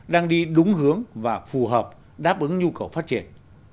đang đi đúng hướng và phù hợp đáp ứng nhu cầu phát triển